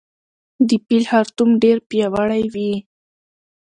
د پیل خرطوم ډیر پیاوړی وي